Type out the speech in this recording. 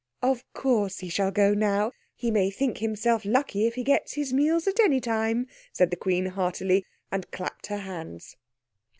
_" "Of course he shall go now. He may think himself lucky if he gets his meals at any time," said the Queen heartily, and clapped her hands.